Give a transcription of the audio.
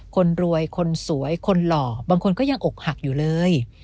คนรวยคนสวยคนหล่อบางคนก็ยังอกหักอยู่เลย